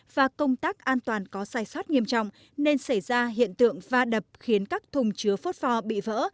và công tác an toàn có sai sót nghiêm trọng nên xảy ra hiện tượng va đập khiến các thùng chứa phốt pho bị vỡ